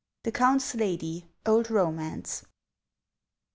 — The Count's Lady (Old Romance).